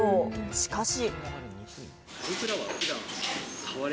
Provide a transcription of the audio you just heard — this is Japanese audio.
しかし。